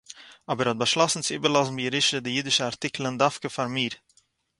אָבער האָט באַשלאָסן צו איבערלאָזן בירושה די אידישע אַרטיקלען דווקא פאַר מיר